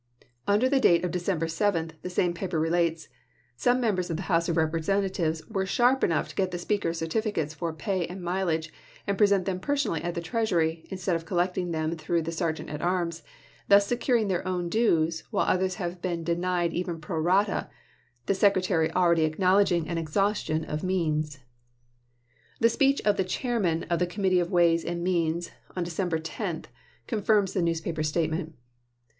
Under date of December 7, the same paper relates :" Some Mem bers of the House of Representatives were sharp enough to get the Speaker's certificates for pay and mileage, and present them personally at the treasury, instead of collecting them through the Sergeant at Arms — thus securing their own dues, while others have been denied even pro rata, the Secretary already acknowledging an exhaustion of THE CONSTITUTIONAL AMENDMENT 239 means." The speech of the Chairman of the Com chap. xv. mittee of Ways and Means, on December 10, con « Globe," firms the newspaper statement.